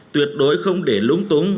tuyệt đối không để lúng túng